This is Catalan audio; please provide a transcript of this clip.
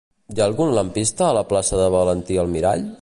Hi ha algun lampista a la plaça de Valentí Almirall?